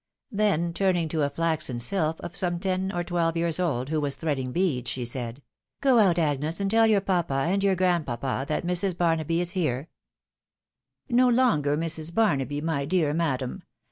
Then turning to a flaxen sylph, of some ten or twelve years old, who was thread ing beads, she said, MKS. o'donagough's salutation. 181 " Go out, Agnes, and tell your papa, and your grandpapa, that Mrs. Barnaby is here." "No longer Mrs. Barnaby, my dear madam."